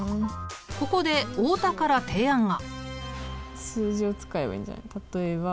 ここで太田から提案が。